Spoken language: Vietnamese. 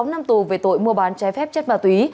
một mươi sáu năm tù về tội mua bán trái phép chất và túy